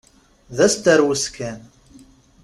D asterwes kan!